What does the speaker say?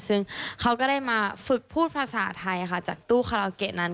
ซึ่งเขาก็ได้มาฝึกพูดภาษาไทยจากตู้คาราโอเกะนั้น